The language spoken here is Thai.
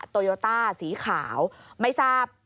โตโยต้าสีขาวไม่ทราบ